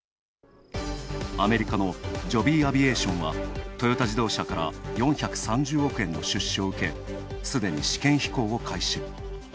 アメリカのＪｏｂｙＡｖｉａｔｉｏｎはトヨタ自動車から４３０億円の出資を受け、すでに試験飛行を開始。